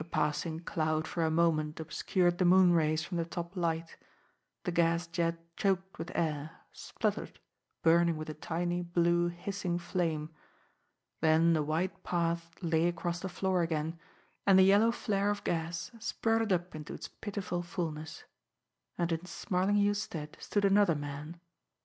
A passing cloud for a moment obscured the moonrays from the top light; the gas jet choked with air, spluttered, burning with a tiny, blue, hissing flame; then the white path lay across the floor again, and the yellow flare of gas spurted up into its pitiful fulness and in Smarlinghue's stead stood another man.